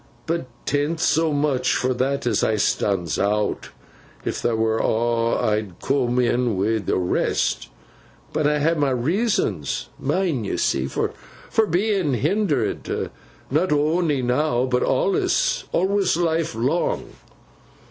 'But 't an't sommuch for that as I stands out. If that were aw, I'd coom in wi' th' rest. But I ha' my reasons—mine, yo see—for being hindered; not on'y now, but awlus—awlus—life long!